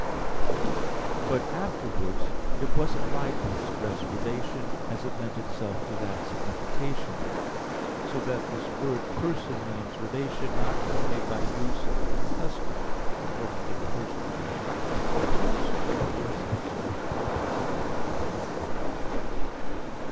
But afterwards it was applied to express relation, as it lent itself to that signification, so that this word "person" means relation not only by use and custom, according to the first opinion, but also by force of its own proper signification.